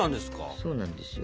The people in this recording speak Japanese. そうなんですよ。